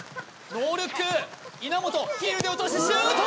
ノールック稲本ヒールで落としてシュート！